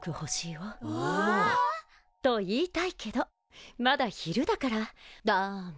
うわ！と言いたいけどまだ昼だからダメ。